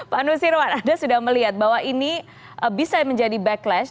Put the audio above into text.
pak nusirwan anda sudah melihat bahwa ini bisa menjadi backlash